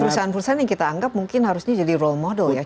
perusahaan perusahaan yang kita anggap mungkin harusnya jadi role model ya